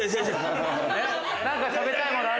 何か食べたいものある？